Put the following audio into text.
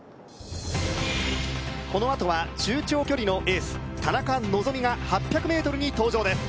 このあとは中長距離のエース田中希実が８００ｍに登場です